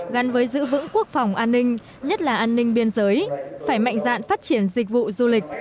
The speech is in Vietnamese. gắn với giữ vững quốc phòng an ninh nhất là an ninh biên giới phải mạnh dạn phát triển dịch vụ du lịch